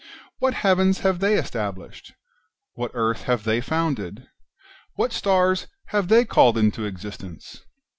What heavens have they established ? what earth have they founded ? what stars have they called into existence